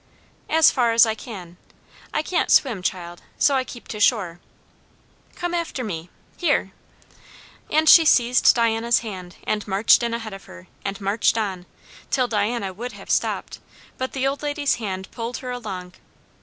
"As far as I can. I can't swim, child, so I keep to shore. Come after me, here!" And she seized Diana's hand and marched in ahead of her, and marched on, till Diana would have stopped, but the old lady's hand pulled her along.